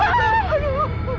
aduh apa itu